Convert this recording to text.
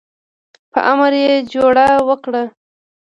په امر یې جوړه وکړه.